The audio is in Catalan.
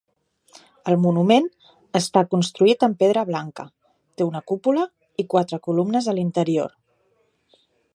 El monument està construït en pedra blanca, té una cúpula i quatre columnes a l'interior.